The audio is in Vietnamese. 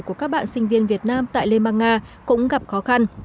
của các bạn sinh viên việt nam tại lê măng nga cũng gặp khó khăn